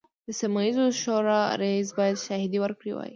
د سیمه ییزې شورا رییس باید شاهدې ورکړي وای.